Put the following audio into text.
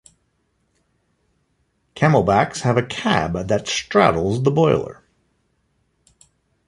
Camelbacks have a cab that straddles the boiler.